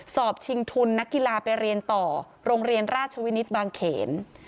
ชิงทุนนักกีฬาไปเรียนต่อโรงเรียนราชวินิตบางเขน